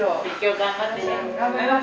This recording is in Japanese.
頑張ります！